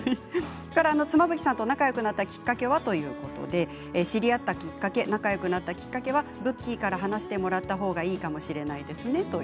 妻夫木さんと仲よくなったきっかけは？という質問に対しては「知り合ったきっかけ仲よくなったきっかけはブッキーから話してもらった方がいいかもしれないですね。」